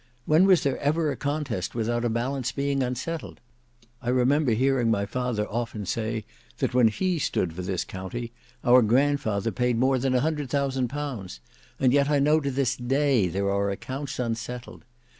When was there ever a contest without a balance being unsettled? I remember hearing my father often say that when he stood for this county, our grandfather paid more than a hundred thousand pounds, and yet I know to this day there are accounts unsettled.